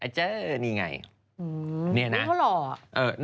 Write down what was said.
ตัวนี้หรอ